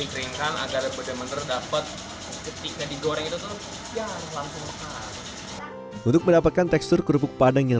keringkan agar bener bener dapat ketika didoreng itu untuk mendapatkan tekstur kerupuk padang yang